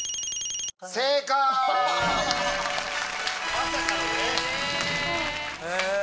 まさかのね。